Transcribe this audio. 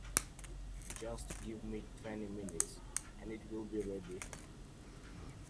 Just give me twenty minutes, and it will be ready.